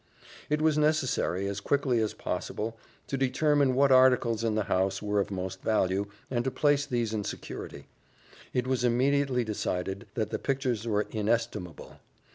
It was necessary, as quickly as possible, to determine what articles in the house were of most value, and to place these in security. It was immediately decided that the pictures were inestimable.